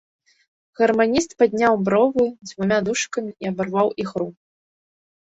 Гарманіст падняў бровы дзвюма дужкамі і абарваў ігру.